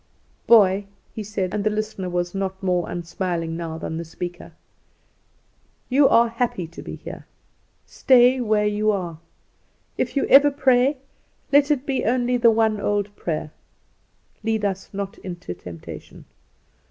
"Boy," he said, and the listener was not more unsmiling now than the speaker, "you are happy to be here! Stay where you are. If you ever pray, let it be only the one old prayer 'Lead us not into temptation.